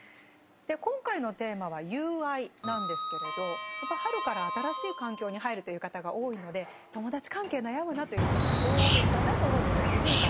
今回のテーマは「友愛」なんですけれどやっぱ春から新しい環境に入るという方が多いので友達関係悩むなという人も多いかなと思うんですが伊集院さんどうですか？